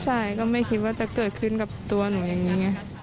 ใช่ก็ไม่คิดว่าจะเกิดขึ้นกับตัวหนูอย่างนี้ไง